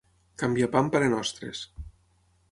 Canviar pa amb parenostres.